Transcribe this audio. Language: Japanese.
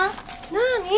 なあに？